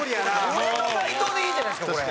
俺と斉藤でいいじゃないですかこれ。